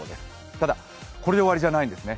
ただこれで終わりじゃないんですね。